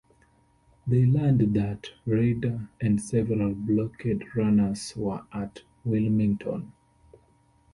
They learned that raider and several blockade runners were at Wilmington.